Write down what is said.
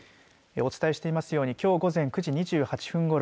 お伝えしていますようにきょう午前９時２８分ごろ